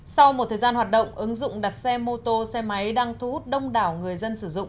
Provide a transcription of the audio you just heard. sau một thời gian hoạt động ứng dụng đặt xe mô tô xe máy đang thu hút đông đảo người dân sử dụng